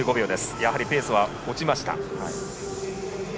やはりペースは落ちました。